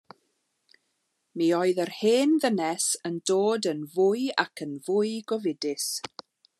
Mi oedd yr hen ddynes yn dod yn fwy ac yn fwy gofidus.